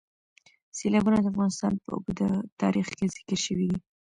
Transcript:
سیلابونه د افغانستان په اوږده تاریخ کې ذکر شوی دی.